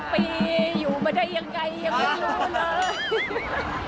ปีอยู่มาได้ยังไงยังไม่รู้เลย